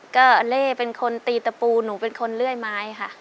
ก็เล่เป็นคนตีตะปูหนูเป็นคนเลื่อยไม้ค่ะ